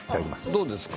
どうですか？